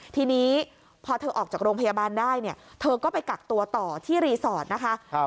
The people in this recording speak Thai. ทีนี้พอเธอออกจากโรงพยาบาลได้เนี่ยเธอก็ไปกักตัวต่อที่รีสอร์ทนะคะ